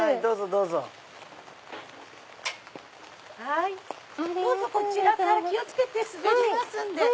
どうぞこちらから気を付けて滑りますんで。